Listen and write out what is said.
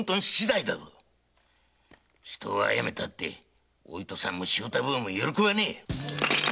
人を殺めたってお糸さんも正太坊も喜ばねえ！